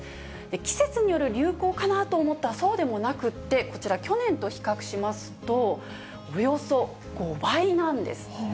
季節による流行かなと思ったらそうでもなくって、こちら去年と比較しますと、およそ５倍なんです。